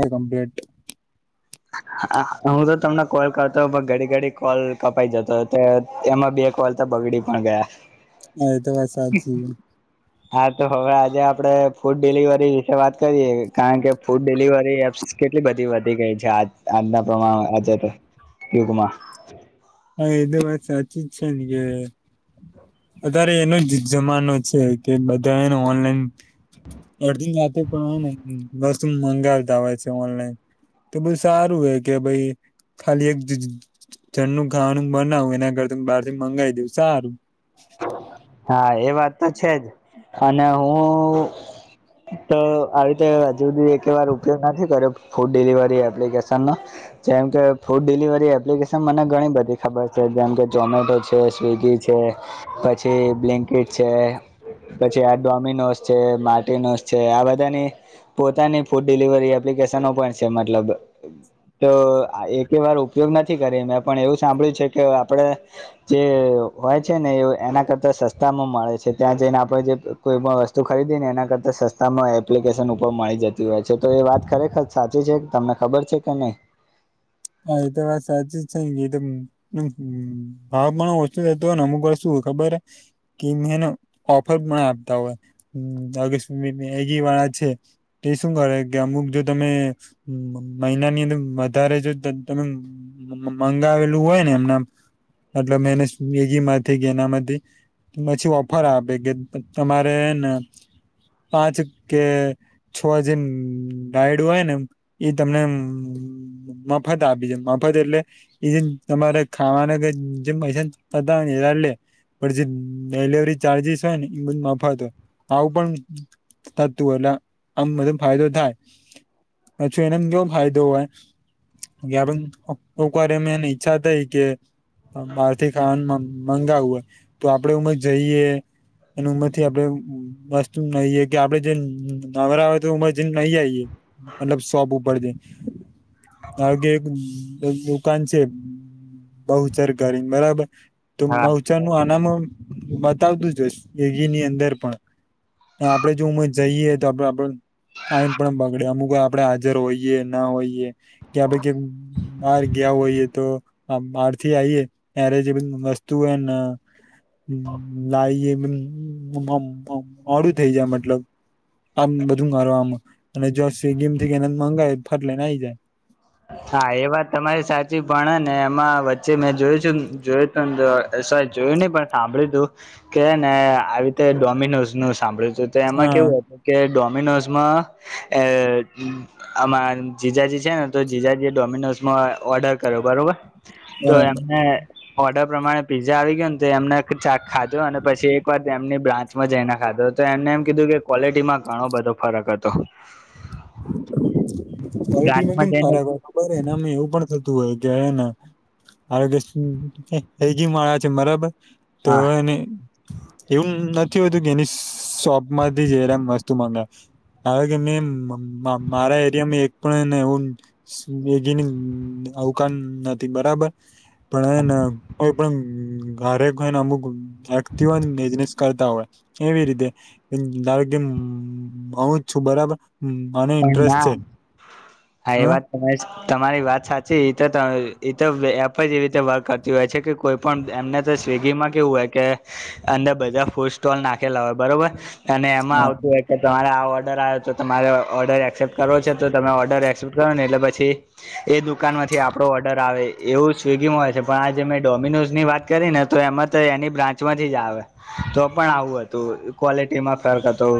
એ complete હું તો તમને કોલ કરતો પણ ઘડી ઘડી કોલ કપાઈ જતો હતો. એમાં બે કોલ તો બગડી પણ ગયા. હા એ તો વાત સાચી. હા તો હવે આજે આપડણે ફૂડ ડિલિવરી વિશે વાત કરીએે કારણ કે ફૂડ ડડીલિવરી એપ્સ કેટલી બધી વધી ગઈ છે આ આજના પ્રમાણ આજે તો યુગમાં. હા એ તો વાત સાચી છે ને કે અતારે એનો જ જમાનો છે કે બધા એને ઓનલાઈન અરધી જા પણ હો ને વસ્તુ મંગાવતા હોય છે ઓનલાઈન. તો બઉુ સારું હ કે ભાઈ ખાલી એક જનું ખાવાનું બનાવું એના કરતાં બહાર થી મંગાવી દેવ સારું. હા એ વાત તો છેજ અને હું તો આવી રીતે હજુ બધી એક વાર ઉપયોગ નથી કર્યો ફૂડ ડિલિવરી એપ્લિકેશનનો. જેમ કે ફૂડ ડિલિવરી એપ્લિકેશન મને ઘણી બધી ખબર છે જેમ કે ઝમેટો છે, સ્વિગી છે, પછી બ્લેન્કેટ છે પછી આ ડોમિનોસ છે, માર્ટિનોસ છે આ બધાની પોતાની ફૂડ ડિલિવરી એપ્લિકેશનો પણ છે મતલબ તો એક વાર ઉપયોગ નથી કર મેં પણ એવું સાંભળ્યું છે કે આપડે જે હોય છે ને એ એના કરતા સસ્તામાં મળે છે ત્યાં જઈને આપડે જે કોઈ પણ વસ્તુ ખરીદીએ ને એના કરતા સસ્ તમે એપ્લિકેશન ઉપર મળી જતી હોય છે. તો એ વાત ખરેખર સાચી છે તમને ખબર છે કે નહીં? હા એ તો વાત સાચી જ છે. ભાવ પણણ ઓછો થતો ને અમુક શું ખબર હ કેનો ઓફર પણ આપતા હોય અગસ્ મેગી વાળા છે. તે શું કરે કે અમુક જો તમે મહિનાની અંદર વધારે જો તમે મંગાવેલું હોય ને આમ એટલે મે અને સ્વીગી માંથી કે એનામાંથી પછી ઓફર આપે કે તમારેને પાંચ કે છો જે ડાયડો હોય ને એ એ તમને મફત આપી છે મફત એટલે એ જે તમારે ખાવાના કે જે મજા [inaudible] પણ જે ડેલવરી ચાર્જીસ હોય ને એ મફત આવું પણ થતું એટલે આમ બધો ફાયદો થાય પછી એને જો ફાયદો હોય [inaudible] ઈચ્છા થઈ કે મારથી ખાવાન મ મગાવું હોય તો આપડે જઈએ એ ઉંમરથી આપડે વસ્તુ નહી કે આપડે જે નવરા હોય તો ઉમર જેને નાહી આવીયે મતલબ સોબ ઉપર દે આગે એક દુકાન છે, બહુ સરકારી બરાબર તો હા માવચાનું આનામ બતાવતું છે, યોગી ની અંદર પણ ને આપડે જો હું જઈએ તો આપડ આપ આમ પણ બગડે અમુક આપડે હાજર હોઈએ ના હોઈએ કે બહાર ગયા હોઈએ તો બહારથી આઈએ ત્યારે જે વસ્તુ હોય ને હમ લાયે મોડું થઇ જાય મતલબ આમ બધું મારવા આમ અને જો સી ગીમ થી કે એને મંગાય ફાટલેને આઈ જાય હા એ વાત તમારી સાચી પણ હે ને એમાં વચ્ચે મેં જોયું છું જો [unintelligible] જોયું ની પણ સાંભળ્યું તું કે ને આવી રીતે ડોમિનોસ નું સાંભળ્યું હતું તો એમાં હા. કેવું હતું કે ડોમિનોસમાં એ આમાં જીજાજી છે, ને તો જીજાજી એ ડોમિનોઝમાં ઓર્ડર કર્યો બરોબર તો બરાબર એમને ઓર્ડર પ્રમાણે પીઝા આવી ગયો ને તો એમને ચાક ખાધો અને પછી એક વાર એમની બ્રા ચમા જઈને ખાધો તો એમને એમ કીધું કે ક્વોલિટીમાં ઘણો બધો ફરક હતો કોલ ટીમાં બ્રાન્ચમાં કેમ જઈને ફરક હોય ખબર એને એવું પણ તુ હોય કે હેને [unintelligible] તો હા એને એવું નથી હોતું કે એની શોપ માંથી જયરામ વસ્તુ માગા આવે કે મે મારા એરિયા એક પણ હેને વેગીની અવકાન નથી બરાબર પણ એને કોઈ પણ ઘરે કોઈને અમુક [unintelligible] બિઝનેસ કરતા હોય એવી રીતે ધારો કે હું જ છું બરાબર હમ પણ ના હા એ વાત તમારી તમારી વાત સાચી તો એ તો એપ જ એવી રીતે વર્ક કરતી હોય છે, કે કોઈ પણ એમને તો સ્વિગીમાં કેવું હોય કે અંદર બધા ફૂડ સ્ટોલ નાખેલા હોય બરોબર અને એમાં આવતું હોય કે તમારે આ ઓર્ડર આયો તો તમારે ઓર્ડર એક્સેપ્ટ કરો છો તો તમે ઓર્ડર એક્સેપ્ટ કરો ને એટલે પછી એ દુકાન માંથી આપડો ઓર્ડર આવે એવું સ્વિગીમાં હોય છે, પણ આજે મેં ડોમિનોઝની વાત કરી ને તો એમાં તો એની બ્રાચમાંથી જ આવે તો પણ આવું હતું ક્વોલિટીમાં ફર્ક હતો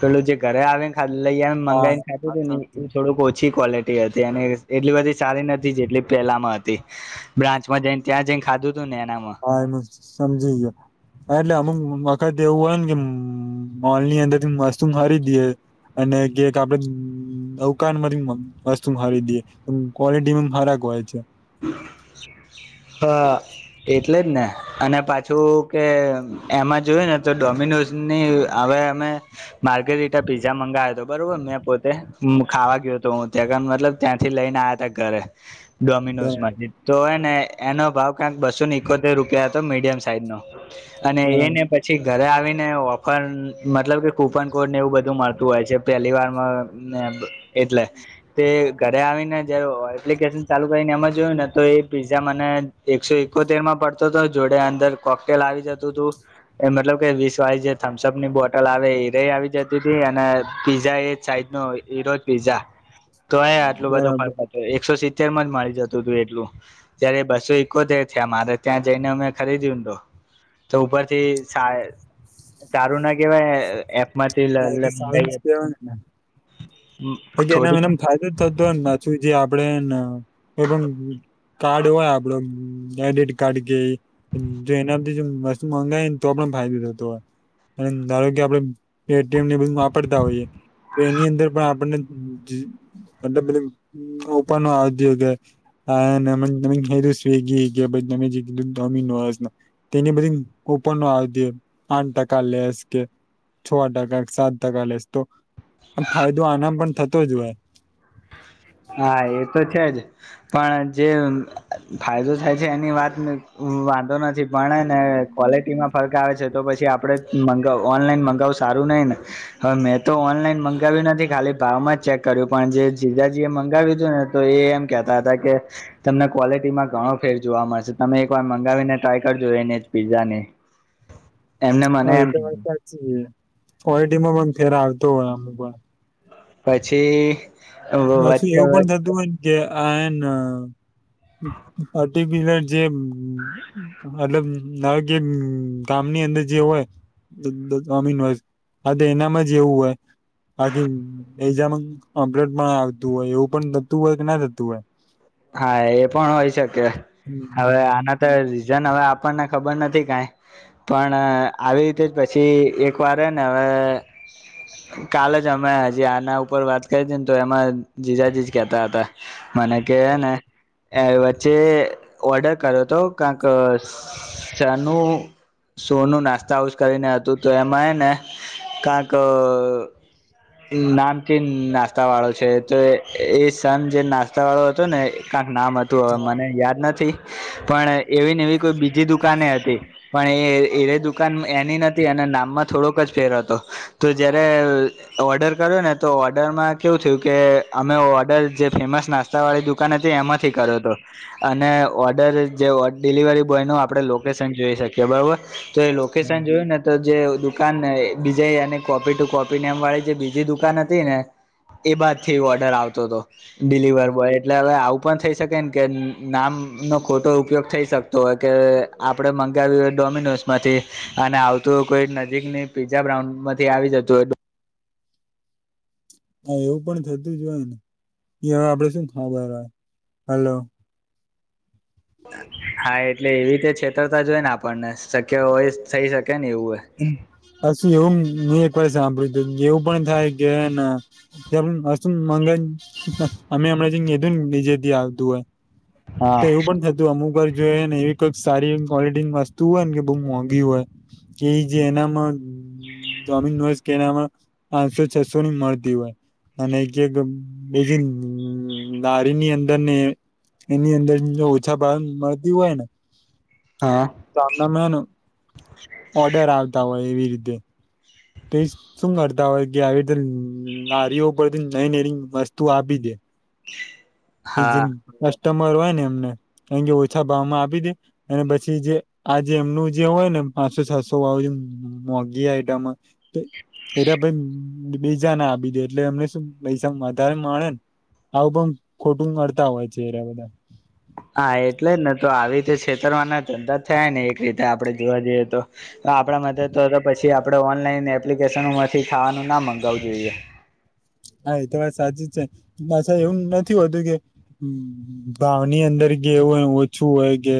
પેલું જે ઘરે આવે ને ખા લઈ એમ હા મંગાઈને ખાતું ને એ થોડક ઓછી ક્લે તી હતી અને એટલી બધી સારી નથી જેટલી પહેલામાં હતી. બ્રાન્ચમાં જઈને ત્યાં જઈને ખાધું હતું ને એનામાં આમાં સમજી ગયો હા એટલે અમુક વખત એવું હોય ને કે મોલની અંદર થી વસ્તુ ખદેએ અને કેક આપડે અવકાન માંથી વસ્તુ ખરીદીએ કોલિટી પણ ફરક હોય છે. હા એટલે જ ને. અને પાછું કે એમાં જોયું ને તો ડોમિનોઝની હવે અમે. માર્કેરીટા પીઝા મંગાવ્યો હતો બરોબર મેં પોતે ખાવા ગયો હતો હું ત્યાં મતલબ ત્યાંથી લઈને આયા તા ઘરે ડોમી બરાબર તો ને એનો ભાવ ક્યાંક બસો ને એકોતેર રૂપિયા હતો મીડિયમ સાઈઝનો અને એને પછી ઘરે આવીને ઓફર મતલબ કે કૂપન કોડ ને એવું બધું મળતું હોય છે. પેલી વારમાં એટલે તે ઘરે આવીને જ એપ્લિકેશન ચાલુ કરીને એમજ. જોયું ને તો એ પીઝા મને એકસો એકોતેર માં પડતો હતો જોડે અંદર કોકટેલ આવી જતું હતું. એ મતલબ કે વીસ વાય જે થમ્સઅપ ની બોટલ આવે એ ર આવી જતી હતી અને પીઝા એજ સાઈઝ ન. ઈરોજ પીઝા તો એ આટલું બધો ફરક બરાબર હત એકસો સિત્તેર માં જ મળી જતો. તુ તો એટલું ત્યારે બસો એકોતેર થયા મારે ત્યાં જઈને અમે ખરીદ્યુંને તો. તો ઉપરથી તારું ના કેહેવાય. હ એ સારુજ કેવાય. હ એના થોડીક એનામ ફાયદો તો થતો. શું જે આપડે એ કાર્ડ હોય આપડુ. ક્રેડિટ કાર્ડ કે જો એનાથી જો વસ્તુ મંગાવાયને તો પણ ફાયદો થતો હોય. અને ધારો કે આપડણે પટીએમ ને બધું વાપરતા હોઈયએ તો એની અંદર પણ આપને. મતલબ પેલી ઉપર નો આવયોગ. આમમું સ્વિગી કે બમ જેટલુ ડોમિનોઝસ. તેની બધી ઉપપર ન આવ દ આઠ ટકા લેસ કે. છ ટકા સાત ટકા લેશ તો આમ ફાયદો આના પણ થતો જ હોય. હા એ તો છે જ. પણ જે ફાયદો થાય છે એની વાત વાંધો નથી પણે એને. ક્વોલિટીમાં ફરક આવે છે તો પછી આપડે મ ઓનલાઈન મંગાવું સારું નહિ ને. હવે મેં તો ઓનલાઈન મંગાવ્યું નથી ખાલી ભાવમાં ચેક કર્યું પણ જે. જીજાજી એ મંગાવ્યું હતું ને તો એ એમ કેતા હતા કે. તમને ક્વોલિટીમાં ઘણો ફેર જોવા મળશે તમે એકવાર મંગાવીને ટ્રાય કરજો એને જ પીઝા ની. [inaudible] હા એ તો વા સાચી ઓટીમાં પણ ફેર આવતો હોય અમુક વાર. પછી ઓ પાછું વચચે એવું હવે. પણ થતું હોય ને કે આ પટીલર જે. એતલબ નાવે કે કામની અંદર જે હોય. ડોમિનોઝસ હોય આ તો એનામાં જ એવું હોય. બાકી એજમાંપટ પણ આવતું હોય એવું પણ થતું હોય કે ના થતું હોય. હા એ પણ હોય શકે હવે હમ્મ. આના રીઝન હવે આપણને ખબર નથી કાય. પણ આવી રીતે જ પછી એક વાર ને હવે કલે જ અમે હજી આના ઉપર વાત કરી હતી ને તો એમાં જીજાજીજ કેતા હતા. મને કે એને એ વચ્ચે ઓર્ડર કરી યો તો ચાનું સોનું નાસ્તાસ કરીને હતું તો એમાં એ ને કાંક નામકીન નાસ્તા વાળો છે તો એ સન જે નાસ્તા વાળો. ને કંક નામ હતું હવે હા મને યાદ નથી પણ એવી ને એવી કોઈ બી બીજી દુકાને હતી પણ એ એ દુકાન એની નથી અને નામમાં થોડોક જ ફેર હતો. તો જયારે. ઓર્ડર કર્યો ને તો ઓર્ડરમાં કેવું થયું કે અમે ઓર્ડર જે ફેમસ નાસ્તા નાસ્તા વાળી દુકાન હતી એમાંથી કર્યો તો. અને ઓર્ડર જે ઓડ ડિલિવરી બોયનું આપણે લોકેશન જોઈ શકીએ બરાબર તો એ હા, લોકેશન જોયું ને તો જે દુકાનને બીજે એની કોપી ટુ કોપી ને એમ વાળી જે બીજી દુકાન હતી ને. એ બાદથી એ ઓર્ડર આવતો હતો ડિલિવર હા. એટલે હવે આવું પણ થઈ શકેને કે નામનો ખોટો ઉપયોગ થઈ શકતો હોય કે આપડે મંગાવ્યું હોય ડોમિનોસમાંથી અને આવતું કોઈ નજીકની પીઝા બ્રાઉનમાંથી આવી જતું હતુ. હા એવું પણ થતું જ હોય ને એ હવે આપડે શું ખબર હોય હલો. હા એટલે એવી રતે છેતરતા જોય ને આપણને શક્ય હોય થઈ શકે ને એવું હોય. પછી એવું મેં એક વાર સાંભળ્યું હતું એવું પણ થાય કે. મંગાઈ અમે હમણાં જધું ને જેે આવતું હોય. હા તો એવું પણ થતું અમુક વાર જોઈએ ને એવી કઈક સારી ક્વોલિટીની વસ્તુ હોય ને કે બહુ મોંઘી હોય કે જે એનામાં જોમીન નોઇસ કે એનામાં પાંચસો છસોની એમારપી મળતી હોય. અને એકક બજી નારીની અંદર ને એની અંદર જો ઓછા ભાર મળતી હોય ને. હા. સામાન હે ના. ઓર્ડર આવતા હોય એવી રીતે. તે શું કરતા હોય કે આવી રીતે નારીઓ ઉપર થી જઈને એની વસ્તુ આપી દે. [inaudible] એ હા જેન કસ્ટમર હોય ને એમને એે ઓછા ભાવમાં આપી દે અને પછી જે આ જે એમનું જે હોય ને પાંચસો સાતસો વા મોગી આઈટમ પીરા ભઈ બબીજાને આપી દે એટલે એમને શું પૈસા વધારે મળેન. આવું પણ ખોટું નડતા હોય એરા બધા. હા એટલે જ ને તો આવી રીતે છેતરમાંના ધંધા થાય ને એક રીતે આપડણે જોવા જઈએ તો તાં આપણા મદદ તો હતો પછી આપડે ઓનલાઈન એપ્લિકેશનનો માંથી ખાવાનું ના મગાવું જોઈએ. હા એ તો વાત સાચી જ છે પાછા એવું નથી હોતું કે ભાવની અંદર કે એવું હોય ઓછું હોય કે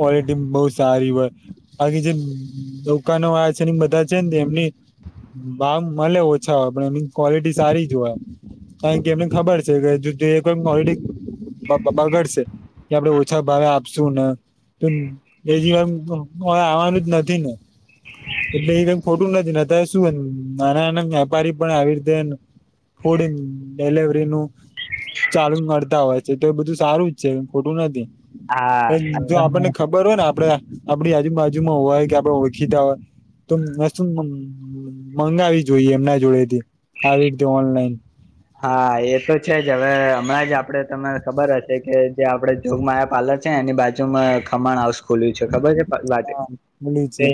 કોલેટી બહુ સારી હોય. બાકી જે દુકાનો વાળા છે બધા છે ને એમની ભામ મલે ઓછા હોય પણ એમની ક્વોલિટી સારી જ જોય. કારણ કે એમને ખબર છે કે ઓલડી બ બ બગડશે. કે આપડણે ઓછા ભાવે આપશુ ને. તો બીજી વાર કોઈ આવવાનું જ નથી ને. એટલે એ કઈ ખોટું નથી ને અત્યારે શું એ નાના નાના વ્યાપારી પણ આવી રીતે ને ફોડીન ડિલવરી નું ચાલુ કરતા હોય છે તો એ બધું સારું જ છે ખોટું નથી. પ હા જો તમને આપણને ખબર ખબર હોય ને આપડ આપણી આજુબાજુમાં હોય કે આપડે ઓળખીતા હોય તો મેસુ મંગાવી જોઈએ એમના જોડે થી આવી રીતે ઓનલાઈન. હા એ તો છે જ હવે હમણાં જ આપડે તમને ખબર હશે કે જે આપડે જોગ માયા પાર્લર છે એની બાજુ માં ખમણ હાઉસ ખુલ્યું છે ખબર છે. વાટે હા મળી છે તે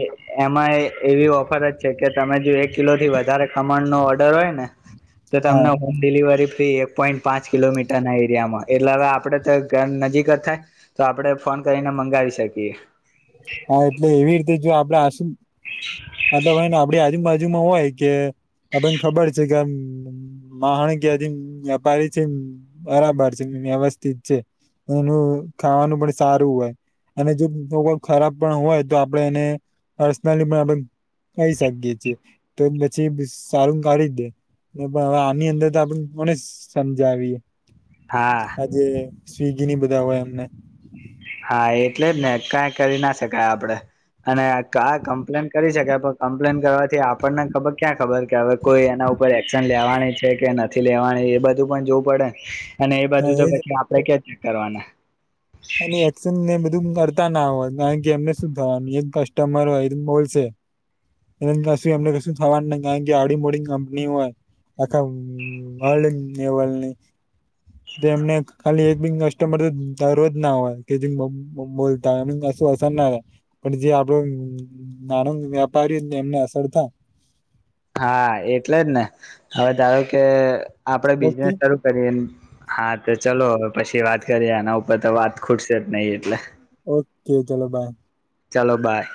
એમાં એ એવી ઓફર જ છે કે તમે જો એક કિલો થી વધારે ખમણ નો ઓર્ડર હોય ને તો હા તમને હોમ ડિલિવરી ફ્રી એક પોઈન્ટ પાંચ કિલોમીટર ના એરિયામાં એટલે હવે આપડે તો ઘર નજીક જ થાય. તો આપડે ફોન કરીને મંગાવી શકીએ. હા એટલે એવી રીતે જો આપડે આસ એટલે હોય આપણી આજુબાજુમાં હોય કે આપણને ખબર છે કે આમ માણગ્યાથી વેપારી છે એમ બરાબર છે વ્યવસ્થિત છે. એનું ખાવાનું પણ સારું હોય અને જો ખરાબ પણ હોય તો આપડે એને પર્સનલી પણ આપડ કહી શકીએ છીએ તો પછી સારું કાઢી જ દે. ને બા વા આની અંદર તો આપડે કોને સમજાવીએ. હા આજે સ્વિગીની બધા હોય એમને. હા એટલે જ ને કઈ કરી ના શકાય આપડે અને કા કમ્પ્લેન કરી શકેાય પણ કમ્પ્લેન કરવાથી આપણને ખબર ક્યાં ખબર કે હવે કોઈ એના ઉપર એક્શન લેવાની છે કે નથી નથી લેવાની એ બધું પણ જોવું પડે ને અને એ બધું તો પછી આપડે ક્યા ચેક કરવાના. અને એક્શન ને બધું કરતા ના હોય કારણ કે એમને શું થવાનું એક કસ્ટમર હોય તે બોલશે. એ ને કશું એમને કશું થવાનું નઈ કારણ કે આડી મોડી કંપની હોય. આખ આ વાર્લ્ડ ને વર્લ્ડની. તેમને ખાલી એક બી કસ્ટમર [unintelligible] રોજ ના હોય કે જે બો બો બોલતા અને [unintelligible] પણ જે આપણો નાનો વ્યાપારીને એમને અસર થાય. હા એટલે જ ને હવે ધાર કે આપડે ઓકે બિઝનેસ શરૂ કરી હા તો ચાલ પછી વાત કરીએ એના ઉપર તો વાત ખુટશે જ નહી એટલે. ઓકે ચલો બાય. ચાલો બાય.